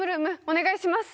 お願いします